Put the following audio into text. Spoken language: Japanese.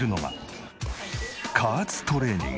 ああ加圧トレーニング。